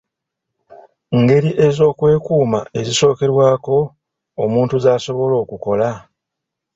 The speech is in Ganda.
Ngeri ez'okwekuuma ezisookerwako omuntu z'asobola okukola?